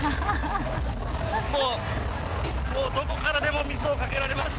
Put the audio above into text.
もう、どこからでも水をかけられます。